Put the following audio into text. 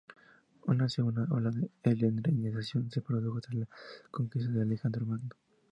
Una segunda ola de helenización se produjo tras las conquistas de Alejandro Magno.